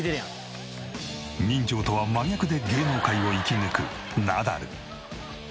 人情とは真逆で芸能界を生き抜くナダル。